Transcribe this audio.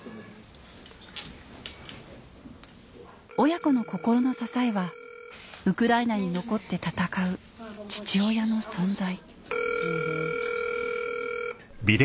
親子の心の支えはウクライナに残って戦う父親の存在